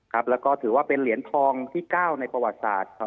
ครับแล้วก็ถือว่าเป็นเหรียญทองที่๙ในประวัติศาสตร์